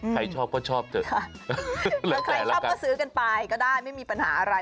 ใครชอบก็ชอบเถอะหลังแต่ละกันค่ะแล้วใครชอบก็ซื้อกันไปก็ได้ไม่มีปัญหาอะไร